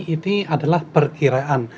ini adalah perkiraan